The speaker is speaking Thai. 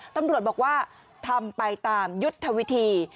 ตำรวจบอกว่าทำไปตามยุทธวิธี